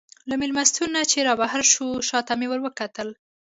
له مېلمستون نه چې رابهر شوو، شا ته مې وروکتل.